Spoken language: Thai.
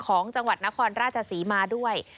ของจังหวัดนครราชศรีมาด้วย